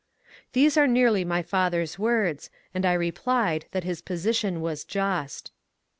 These are nearly my father's words, and I replied that his position was just.